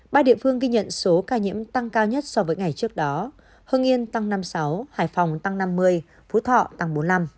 ba địa phương ghi nhận số ca nhiễm tăng cao nhất so với ngày trước đó hưng yên tăng năm sáu hải phòng tăng năm mươi phú thọ tăng bốn mươi năm